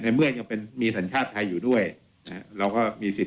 เมื่อยังเป็นมีสัญชาติไทยอยู่ด้วยเราก็มีสิทธิ